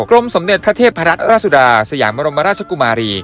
รมสมเด็จพระเทพรัตนราชสุดาสยามรมราชกุมารี